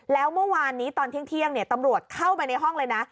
แล้วเมื่อวานนี้ตอนเที่ยงตำรวจเข้าไปในห้องเลยนะ